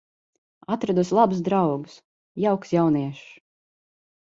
Atradusi labus draugus, jaukus jauniešus.